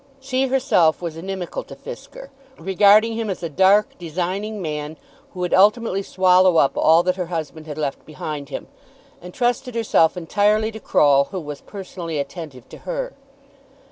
She herself was inimical to Fisker, regarding him as a dark, designing man, who would ultimately swallow up all that her husband had left behind him, and trusted herself entirely to Croll, who was personally attentive to her.